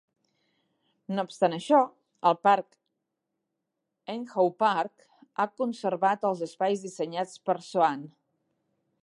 No obstant això, el parc Aynhoe Park ha conservat els espais dissenyats per Soane.